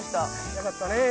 よかったねえ。